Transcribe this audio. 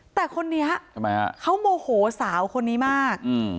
แต่คนเนี้ยโมโหสาวคนนี้มาก